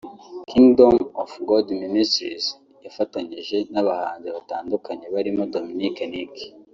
Kingdom of God Ministries yafatanyije n’abahanzi batandukanye barimo Dominic Nic